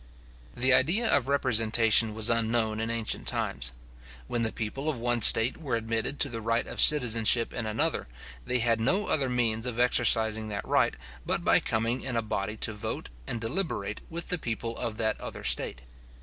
The idea of representation was unknown in ancient times. When the people of one state were admitted to the right of citizenship in another, they had no other means of exercising that right, but by coming in a body to vote and deliberate with the people of that other state.